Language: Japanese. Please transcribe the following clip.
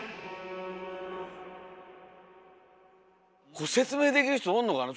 これ説明できる人おんのかな？